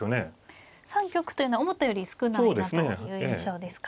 ３局というのは思ったより少ないなという印象ですか。